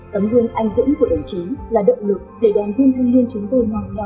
tấm gương anh dũng của đồng chí là động lực để đoàn viên thanh niên chúng tôi mong theo